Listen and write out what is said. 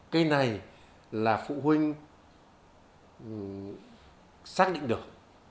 cái này là phụ huynh xác định được